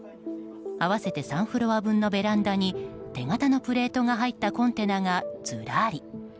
合わせて３フロア分のベランダに手形のプレートが入ったコンテナがずらり。